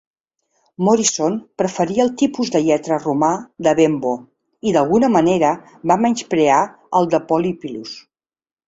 Morison preferia el tipus de lletra romà de Bembo i d'alguna manera va menysprear el de Poliphilus.